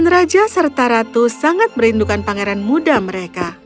raja ratu dan rupi ringgit juga ruinedi pangeran muda mereka